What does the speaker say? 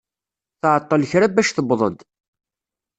Tɛeṭṭel kra bac tewweḍ-d.